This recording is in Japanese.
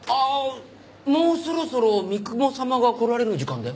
もうそろそろ三雲様が来られる時間だよ。